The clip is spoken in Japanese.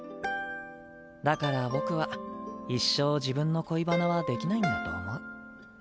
だから僕は一生自分の恋バナはできないんだと思う。